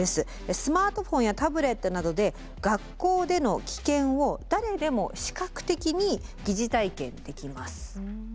スマートフォンやタブレットなどで学校での危険を誰でも視覚的に疑似体験できます。